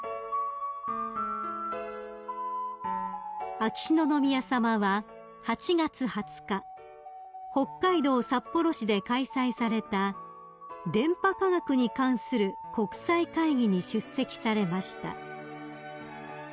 ［秋篠宮さまは８月２０日北海道札幌市で開催された電波科学に関する国際会議に出席されました］